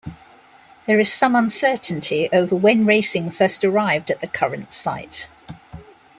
There is some uncertainty over when racing first arrived at the current site.